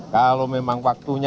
kalau memang waktunya